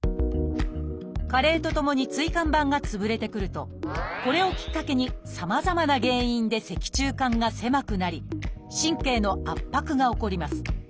加齢とともに椎間板が潰れてくるとこれをきっかけにさまざまな原因で脊柱管が狭くなり神経の圧迫が起こります。